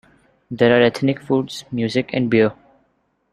There are ethnic foods, music, and beer.